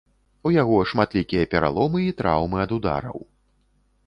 У яго шматлікія пераломы і траўмы ад удараў.